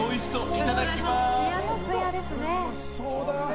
いただきます。